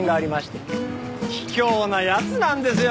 卑怯な奴なんですよ